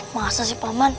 masa sih paman